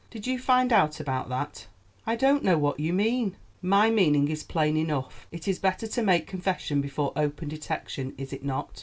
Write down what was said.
Did you find out about that?" "I don't know what you mean." "My meaning is plain enough. It is better to make confession before open detection, is it not?"